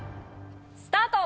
スタート！